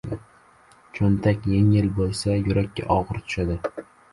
• Cho‘ntak yengil bo‘lsa yurakka og‘iri tushadi.